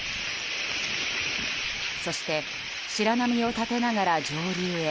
そして白波を立てながら上流へ。